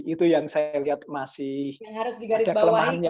itu yang saya lihat masih ada kelemahannya